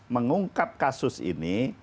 mengungkap kasus ini